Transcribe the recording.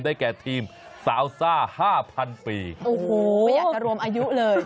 ได้แก่ทีมสาวซ่า๕๐๐๐ปีโอ้โฮไม่อยากจะรวมอายุเลย